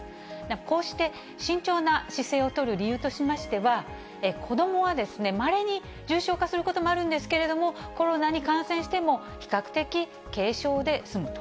こうして慎重な姿勢を取る理由としましては、子どもはまれに重症化することもあるんですけど、コロナに感染しても、比較的軽症で済むと。